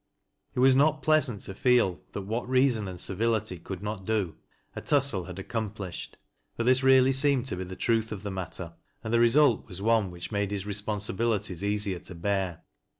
It was not pleasant to feel that what reason and civility could not do, atussel had accomplished, but this really seemed to be the truth of the matter, and the result was one which made his responsibilities easier t ■; bear.